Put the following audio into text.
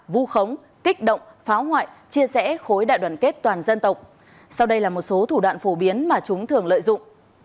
vu khống kích động phá hoại chia rẽ khối đại đoàn kết toàn dân tộc sau đây là một số thủ đoạn phổ biến mà chúng thường lợi dụng